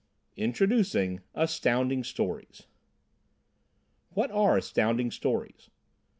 _ Introducing ASTOUNDING STORIES What are "astounding" stories?